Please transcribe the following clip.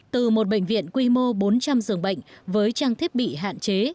từ một bệnh viện quy mô bốn trăm linh giường bệnh với trang thiết bị hạn chế